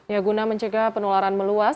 ya guna mencegah penularan meluas